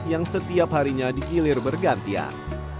yang setiap harinya digilir bergantian